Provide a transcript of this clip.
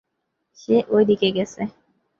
সে ওইদিকে গেছে!